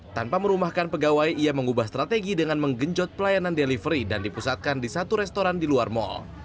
tanpa merumahkan pegawai ia mengubah strategi dengan menggenjot pelayanan delivery dan dipusatkan di satu restoran di luar mal